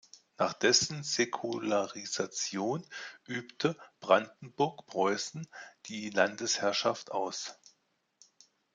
Nach dessen Säkularisation übte Brandenburg-Preußen die Landesherrschaft aus.